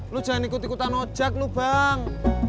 lu jangan ikut ikutan ojek lu bang